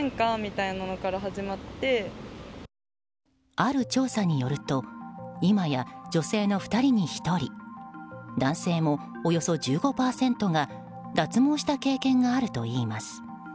ある調査によるといまや女性の２人に１人男性もおよそ１５％が脱毛した経験があるといいます。